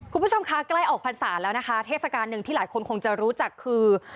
คุณผู้ชมคะใกล้ออกพรรษาแล้วนะคะเทศกาลหนึ่งที่หลายคนคงจะรู้จักคือ